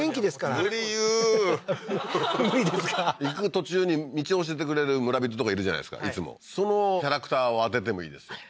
行く途中に道教えてくれる村人とかいるじゃないですかいつもそのキャラクターを当ててもいいです